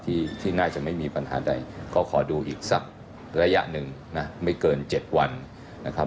ที่ที่น่าจะไม่มีปัญหาใดก็ขอดูอีกสักระยะหนึ่งนะไม่เกิน๗วันนะครับ